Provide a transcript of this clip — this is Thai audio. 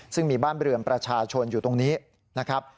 ซึ่งมีบ้านเรือนประชาชนอยู่ตรงนี้นะครับ